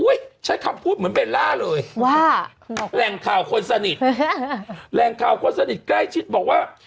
อุ๊ยฉันขับพูดเหมือนเบลล่าเลยแรงข่าวคนสนิทแรงข่าวคนสนิทใกล้ชิดบอกว่า